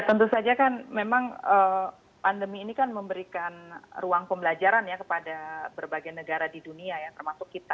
tentu saja kan memang pandemi ini kan memberikan ruang pembelajaran ya kepada berbagai negara di dunia ya termasuk kita